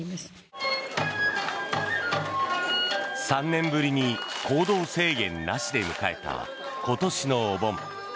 ３年ぶりに行動制限なしで迎えた今年のお盆。